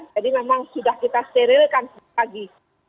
jadi memang sudah kita sterilkan pagi